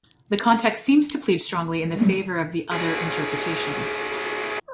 The context seems to plead strongly in favor of the other interpretation.